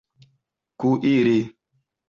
kuiri